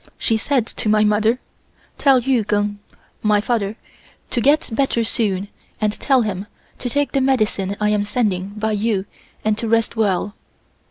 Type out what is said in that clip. She said to my mother: "Tell Yu Keng (my father) to get better soon and tell him to take the medicine I am sending by you and to rest well.